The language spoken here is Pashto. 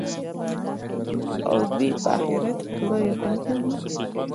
او دوى په آخرت پوره يقين كوي